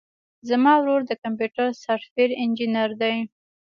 زما ورور د کمپيوټر سافټوېر انجينر دی.